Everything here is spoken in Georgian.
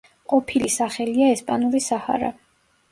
ყოფილი სახელია ესპანური საჰარა.